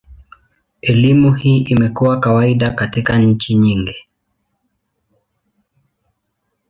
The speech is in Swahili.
Elimu hii imekuwa kawaida katika nchi nyingi.